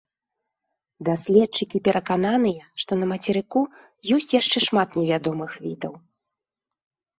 Даследчыкі перакананыя, што на мацерыку ёсць яшчэ шмат невядомых відаў.